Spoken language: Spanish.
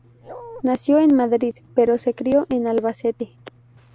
Nació en Madrid pero se crió en Albacete.